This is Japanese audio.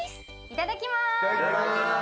いただきます。